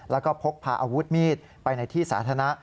แล้วก็พกพาอาวุธมีดไปในที่สาธารณะ